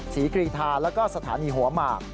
กรีธาแล้วก็สถานีหัวหมาก